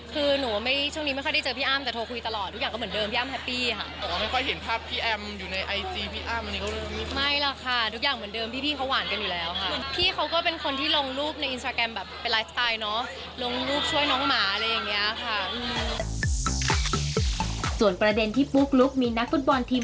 ส่วนประเด็นที่ปุ๊บลุกมีนักฟุตบอลทีม